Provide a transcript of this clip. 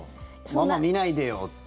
ママ見ないでよって。